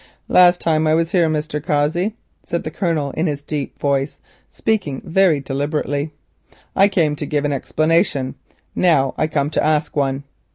"Last time I was here, Mr. Cossey," said the Colonel in his deep voice, speaking very deliberately, "I came to give an explanation; now I come to ask one."